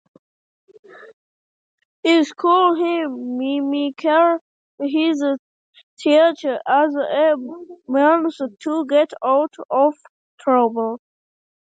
In school, he mimicked his teachers as a means to get out of trouble.